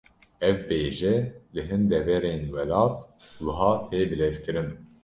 Ev bêje, li hin deverên welat wiha tê bilêvkirin